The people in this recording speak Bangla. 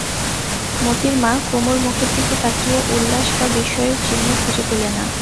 মোতির মা কুমুর মুখের দিকে তাকিয়ে উল্লাস বা বিস্ময়ের চিহ্ন খুঁজে পেলে না।